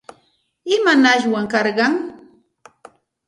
¿Imanashwan karqan?